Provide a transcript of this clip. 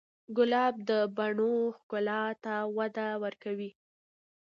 ګلاب د بڼو ښکلا ته وده ورکوي.